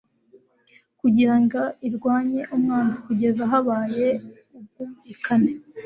kugirango irwanye umwanzi kugeza habaye ubwumvikane